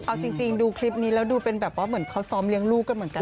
เอาจริงดูคลิปนี้แล้วดูเป็นแบบว่าเหมือนเขาซ้อมเลี้ยงลูกกันเหมือนกัน